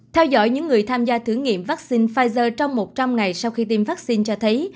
theo dõi những người tham gia thử nghiệm vaccine pfizer trong một trăm linh ngày sau khi tiêm vaccine cho thấy